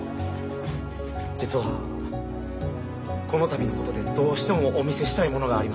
実はこの度のことでどうしてもお見せしたいものがありまして。